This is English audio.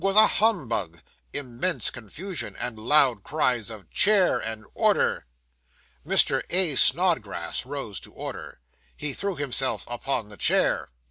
was a humbug. (Immense confusion, and loud cries of "Chair," and "Order.") 'Mr. A. SNODGRASS rose to order. He threw himself upon the chair.